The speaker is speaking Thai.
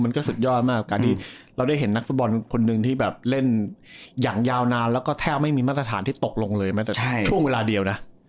สุดยอดมากการที่เราได้เห็นนักฟุตบอลคนหนึ่งที่แบบเล่นอย่างยาวนานแล้วก็แทบไม่มีมาตรฐานที่ตกลงเลยแม้แต่ช่วงเวลาเดียวนะ